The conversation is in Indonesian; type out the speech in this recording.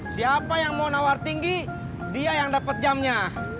siapa yang mau nawar tinggi dia yang dapat jamnya